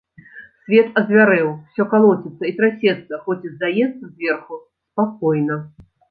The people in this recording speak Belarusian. Свет азвярэў, усё калоціцца і трасецца, хоць і здаецца зверху спакойна.